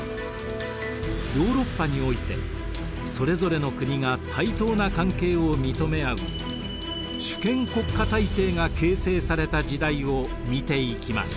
ヨーロッパにおいてそれぞれの国が対等な関係を認め合う主権国家体制が形成された時代を見ていきます。